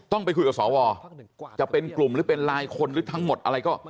ต้องไปคุยกับสวจะเป็นกลุ่มหรือเป็นลายคนหรือทั้งหมดอะไรก็